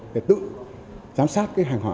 để tự giám sát cái hàng hóa